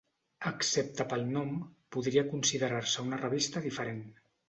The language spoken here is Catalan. Excepte pel nom, podria considerar-se una revista diferent.